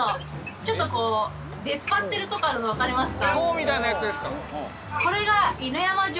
ちょっと出っ張ってるとこあるのわかりますか？